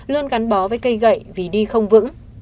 luôn gắn bó với cây gậy vì đi không vững